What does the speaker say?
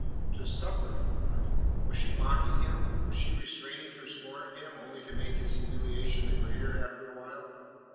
"To supper!" he thought. Was she mocking him? Was she restraining her scorn of him only to make his humiliation the greater after a while?